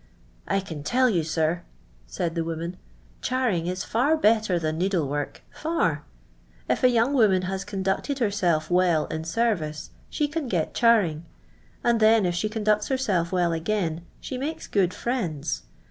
'* I can tell you, sir," said the woman, "charing is iar better than needle work ; far. If a young woman has conducted herself well in service, she can get charing, and then if she conducts herself well again, she makes good friends.